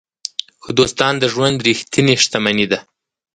ښه دوستان د ژوند ریښتینې شتمني ده.